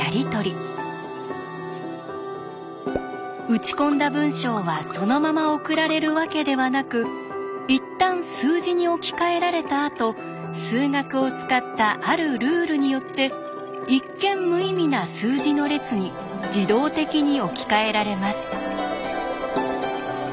打ち込んだ文章はそのまま送られるわけではなくいったん数字に置き換えられたあと数学を使ったあるルールによって一見無意味な数字の列に自動的に置き換えられます。